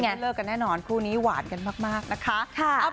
ไม่เลิกกันแน่นอนคู่นี้หวานกันมากนะคะ